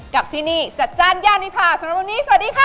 กลับที่นี่จัดจ้านย่านิพาสนบรินิสวัสดีค่ะ